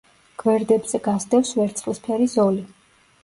გვერდებზე გასდევს ვერცხლისფერი ზოლი.